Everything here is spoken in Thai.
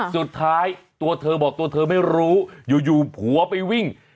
สุดท้ายตัวเธอบอกตัวเธอไม่รู้อยู่ผัวไปวิ่ง